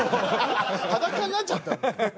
裸になっちゃった。